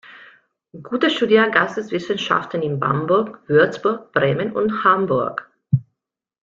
Guter studierte Geisteswissenschaften in Bamberg, Würzburg, Bremen und Hamburg.